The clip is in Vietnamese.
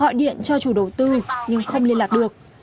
gọi điện cho chủ đầu tư nhưng không liên lạc được